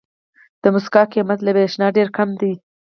د موسکا قیمت له برېښنا ډېر کم دی.